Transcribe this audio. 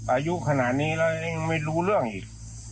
อายุขนาดนี้แล้วยังไม่รู้เรื่องอีก